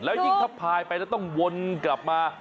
แล้วยิ่งถ้าพายไปแล้วต้องวนกลับมา